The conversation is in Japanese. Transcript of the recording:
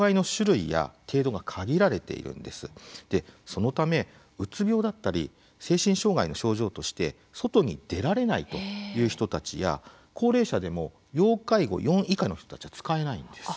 そのためうつ病だったり精神障害の症状として外に出られないという人たちや高齢者でも要介護４以下の人たちは使えないんです。